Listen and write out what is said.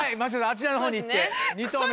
あちらの方に行って２投目です。